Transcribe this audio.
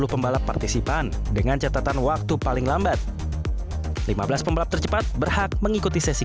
pembalap partisipan dengan catatan waktu paling lambat lima belas pembalap tercepat berhak mengikuti sesi